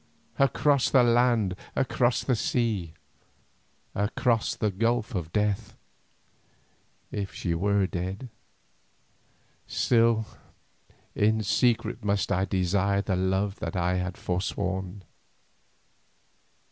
Across the land, across the sea, across the gulf of death—if she were dead—still in secret must I desire the love that I had forsworn.